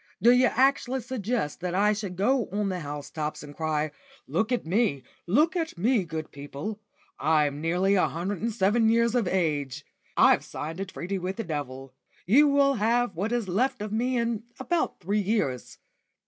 "D' you actually suggest that I should go on the housetops and cry, 'Look at me, look at me, good people; I'm nearly a hundred and seven years of age; I've signed a treaty with the devil. He will have what is left of me in about three years.